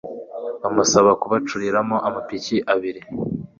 Bamusaba kubacuriramo amapiki abiri